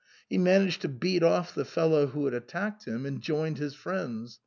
He managed to beat off the fellow who had attacked him, and joined his friends.